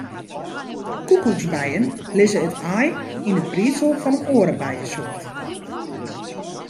Koekoeksbijen lizze it aai yn it briedsel fan in oare bijesoart.